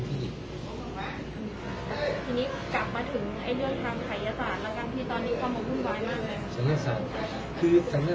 ที่นี้กลับมาถึงเรื่องทำศัลยศาสตร์ในตอนนี้ความรุ่นร้ายมากเลย